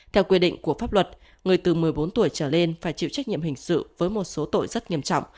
theo quy định của pháp luật người từ một mươi bốn tuổi trở lên phải chịu trách nhiệm hình sự với một số tội rất nghiêm trọng